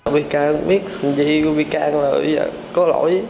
bị can biết gì của bị can là bây giờ có lỗi